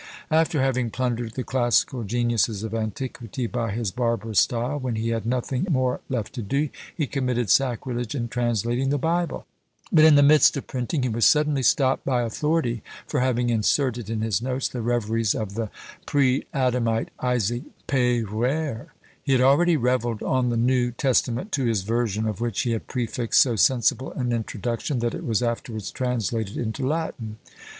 After having plundered the classical geniuses of antiquity by his barbarous style, when he had nothing more left to do, he committed sacrilege in translating the Bible; but, in the midst of printing, he was suddenly stopped by authority, for having inserted in his notes the reveries of the Pre Adamite Isaac PeyrÃẀre. He had already revelled on the New Testament, to his version of which he had prefixed so sensible an introduction, that it was afterwards translated into Latin.